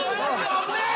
危ねえ！